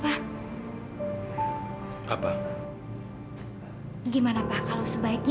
tidak ada lilin